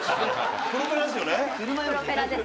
プロペラですよね？